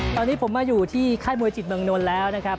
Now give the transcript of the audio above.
ตอนนี้ผมมาอยู่ที่ค่ายมวยจิตเมืองนนท์แล้วนะครับ